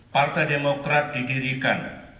partai demokrat didirikan